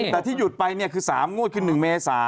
แต่ที่หยุดไปเนี่ยคือ๓งวดคือ๑เมศ